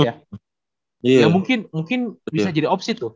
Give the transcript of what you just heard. ya mungkin bisa jadi opsi tuh